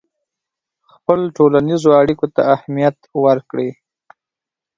خپلو ټولنیزو اړیکو ته اهمیت ورکړئ.